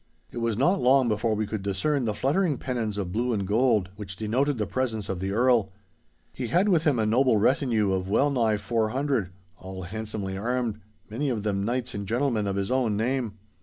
It was not long before we could discern the fluttering pennons of blue and gold, which denoted the presence of the Earl. He had with him a noble retinue of well nigh four hundred—all handsomely armed—many of them knights and gentlemen of his own name.